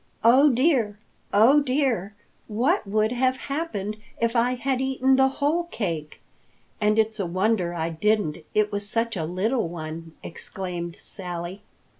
"Oh dear! Oh dear! What would have happened if I had eaten the whole cake? And it's a wonder I didn't, it was such a little one!" exclaimed Sally.